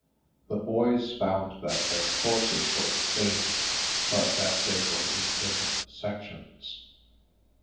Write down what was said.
The boys found that their courses were the same but that they were in different sections.